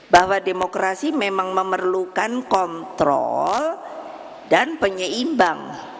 bahwa demokrasi memang memerlukan kontrol dan penyeimbang